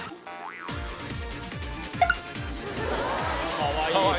かわいい！